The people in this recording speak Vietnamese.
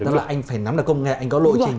tức là anh phải nắm được công nghệ anh có lộ trình